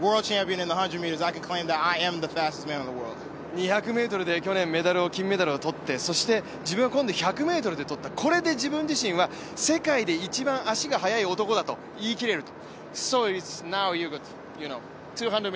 ２００ｍで去年金メダルを取って、そして自分は今度１００ｍで取った、これで自分自身は世界で一番足が速い男だと言い切れると。